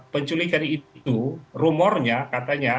penculikan itu rumornya katanya